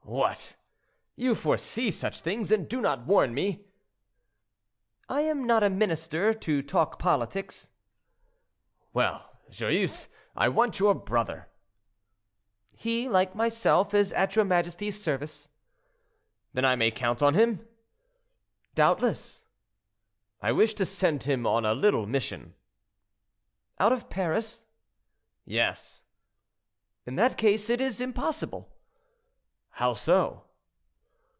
"What! you foresee such things, and do not warn me?" "I am not a minister, to talk politics." "Well, Joyeuse, I want your brother." "He, like myself, is at your majesty's service." "Then I may count on him?" "Doubtless." "I wish to send him on a little mission." "Out of Paris?" "Yes." "In that case, it is impossible." "How so?"